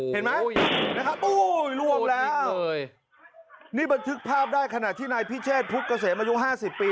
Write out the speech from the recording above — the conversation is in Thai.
เห็นไหมนะครับโอ้ยล่วงแล้วนี่บันทึกภาพได้ขณะที่นายพิเชษพุกเกษมอายุห้าสิบปี